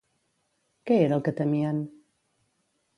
Què era el que temien?